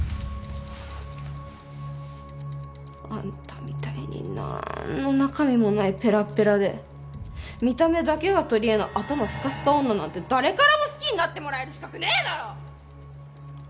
あんたみたいに何の中身もないぺらぺらで見た目だけが取りえの頭すかすか女なんて誰からも好きになってもらえる資格ねえだろ。